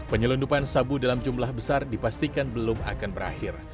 penyelundupan sabu dalam jumlah besar dipastikan belum akan berakhir